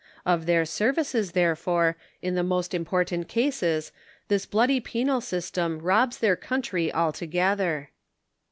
Of their services, therefore, in the most im portant cases, this bloody penal system robs their country al together.